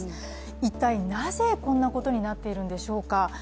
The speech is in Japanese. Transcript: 一体なぜこんなことになっているんでしょうか